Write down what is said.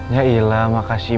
yailah makasih ya